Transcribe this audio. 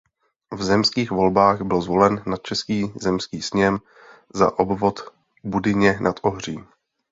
V zemských volbách byl zvolen na Český zemský sněm za obvod Budyně nad Ohří.